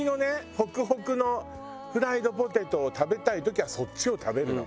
ホクホクのフライドポテトを食べたい時はそっちを食べるの。